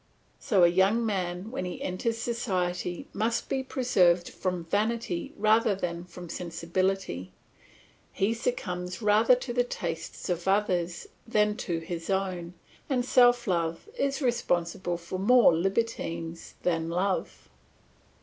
So a young man when he enters society must be preserved from vanity rather than from sensibility; he succumbs rather to the tastes of others than to his own, and self love is responsible for more libertines than love.